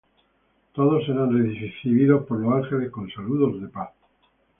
Todos serán recibidos por los ángeles con saludos de paz.